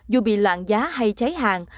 dù bị loạn giá hay cháy hàng